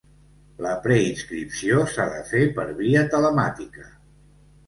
La preinscripció s'ha de fer per via telemàtica.